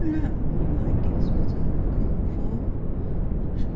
'An 'appen you might guess what I've come for?